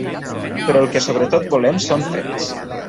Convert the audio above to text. Però el que sobretot volem són fets.